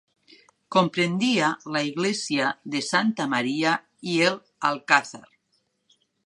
Comprendía la iglesia de Santa María y el Alcázar.